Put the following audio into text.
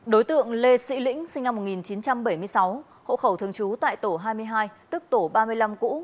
đối tượng lê sĩ lĩnh sinh năm một nghìn chín trăm bảy mươi sáu hộ khẩu thường trú tại tổ hai mươi hai tức tổ ba mươi năm cũ